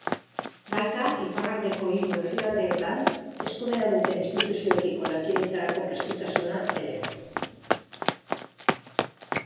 Baita iparraldeko hiru herrialdeetan eskumena duten instituzioekiko lankidetzarako prestutasuna ere.